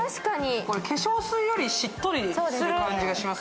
これ、化粧水よりしっとりする感じがします。